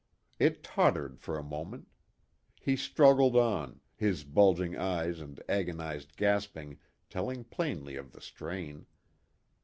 It tottered for a moment. He struggled on, his bulging eyes and agonized gasping telling plainly of the strain.